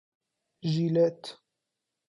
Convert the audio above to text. ژیلت